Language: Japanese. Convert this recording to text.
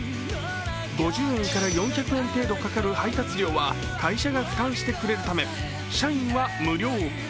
５０円から４００円程度かかる配達料は会社が負担してくれるため社員は無料。